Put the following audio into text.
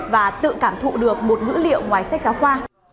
và tự cảm thụ được một ngữ liệu